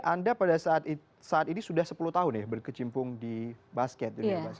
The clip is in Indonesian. anda pada saat ini sudah sepuluh tahun berkecimpung di basket